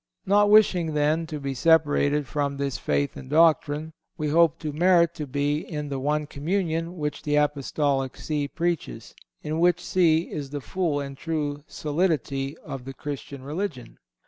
Not wishing, then, to be separated from this faith and doctrine, we hope to merit to be in the one communion which the Apostolic See preaches, in which See is the full and true solidity of the Christian religion."